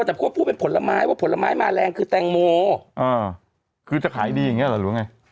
แต่พวกพูดเป็นผลไม้ว่าผลไม้มาแรงคือแตงโมอ่าคือจะขายดีอย่างเงี้เหรอหรือไง